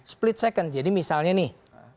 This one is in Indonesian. split second jadi misalnya nih